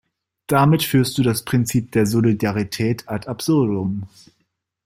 Damit führst du das Prinzip der Solidarität ad absurdum.